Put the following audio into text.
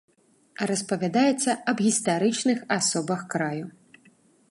Распавядаецца аб гістарычных асобах краю.